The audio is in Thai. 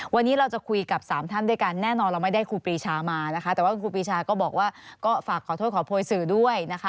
วันนี้เราจะคุยกับสามท่านด้วยกันแน่นอนเราไม่ได้ครูปรีชามานะคะแต่ว่าครูปีชาก็บอกว่าก็ฝากขอโทษขอโพยสื่อด้วยนะคะ